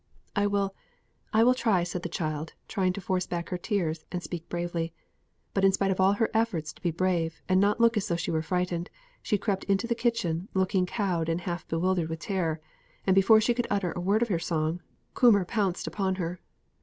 "I will I will try," said the child, trying to force back her tears and speak bravely. But in spite of all her efforts to be brave, and not look as though she was frightened, she crept into the kitchen looking cowed and half bewildered with terror, and before she could utter a word of her song, Coomber pounced upon her.